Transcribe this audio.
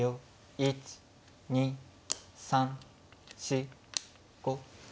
１２３４５。